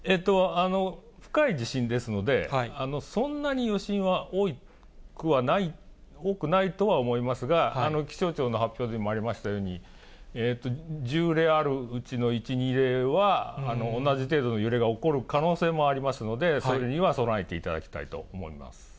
深い地震ですので、そんなに余震は多くないとは思いますが、気象庁の発表でもありましたように、１０例あるうちの１、２例は、同じ程度の揺れが起こる可能性もありますので、それには備えていただきたいと思います。